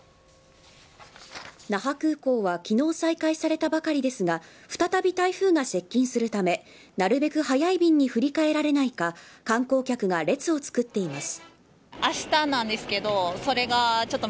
那覇空港は昨日再開されたばかりですが再び台風が接近するためなるべく早い便に振り替えられないか観光客が列を作っています。